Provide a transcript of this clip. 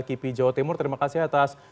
kipi jawa timur terima kasih atas